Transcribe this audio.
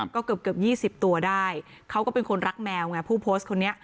ก็เกือบ๒๐ตัวได้เขาก็เป็นคนรักแมวไงผู้โพสต์คนนี้